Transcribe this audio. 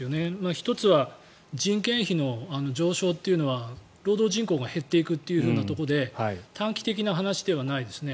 １つは人件費の上昇というのは労働人口が減っていくということで短期的な話ではないですね。